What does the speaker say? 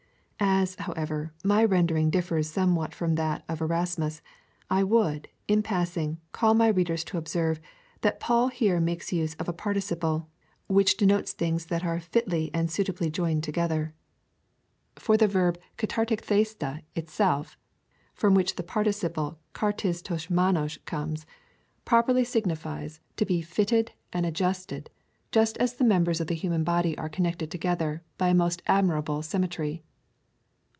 As, however, my rendering differs somewhat from that of Erasmus, I would, in passing, call my readers to obseiwe, that Paul here makes use of a par ticiple, which denotes things that are fitly and suitably joined CHAP. T. 11. FIRST EPISTLE TO THE CORINTHIANS. 63 together} For the verb Karapri^ea daL itself (from which the participle KaT7}pTi(r/jLevo<i comes) properly signifies, to be fitted and adjusted, just as the members of the human body are connected together by a most admirable symmetry.